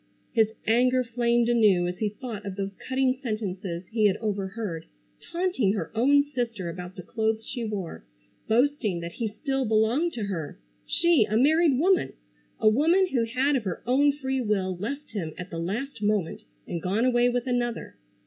His anger flamed anew as he thought of those cutting sentences he had overheard, taunting her own sister about the clothes she wore. Boasting that he still belonged to her! She, a married woman! A woman who had of her own free will left him at the last moment and gone away with another!